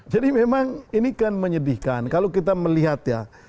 jadi memang ini kan menyedihkan kalau kita melihat ya